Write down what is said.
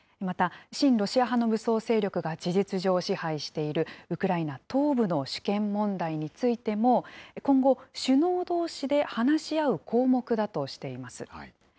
また、親ロシア派の武装勢力が事実上支配しているウクライナ東部の主権問題についても、今後、首脳どうしで話し合う項目だとしています。